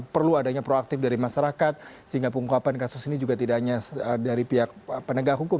perlu adanya proaktif dari masyarakat sehingga pengungkapan kasus ini juga tidak hanya dari pihak penegak hukum